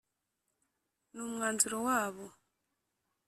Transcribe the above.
ni umwanzuro wabo.